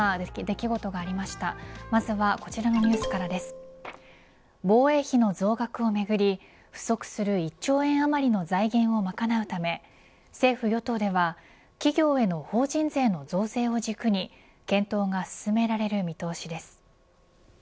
防衛費の増額をめぐり不足する１兆円あまりの財源を賄うため政府与党では企業への法人税の増税を軸に検討が進められる見通しです。